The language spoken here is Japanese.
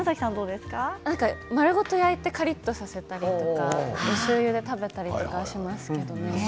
丸ごと焼いてカリっとさせたりとかおしょうゆで食べたりとかはしますけど。